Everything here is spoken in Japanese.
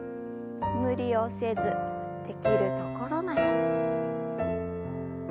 無理をせずできるところまで。